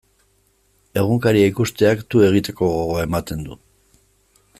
Egunkaria ikusteak tu egiteko gogoa ematen du.